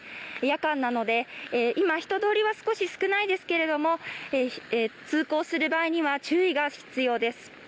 夜間なので、今、人通りは少し少ないですけども通行する場合には注意が必要です。